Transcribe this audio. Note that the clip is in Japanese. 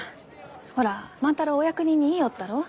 ほら万太郎お役人に言いよったろう？